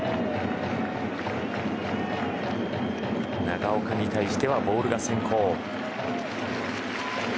長岡に対してはボールが先行。